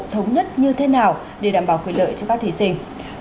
thống nhất như thế nào để đảm bảo quyền lợi cho các thí sinh